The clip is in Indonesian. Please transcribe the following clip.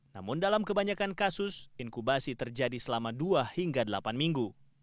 namun dalam kebanyakan kasus inkubasi terjadi selama dua hingga delapan minggu